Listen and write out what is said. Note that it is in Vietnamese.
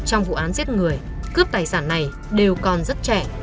trong vụ án giết người cướp tài sản này đều còn rất trẻ